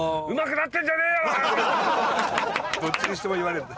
どっちにしても言われるんだ。